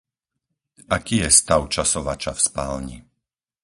Aký je stav časovača v spálni?